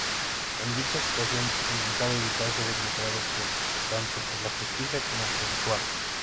En dicha situación intentaba evitar ser encontrado tanto por la justicia como por Duarte.